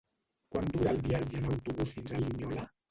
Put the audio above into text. Quant dura el viatge en autobús fins a Linyola?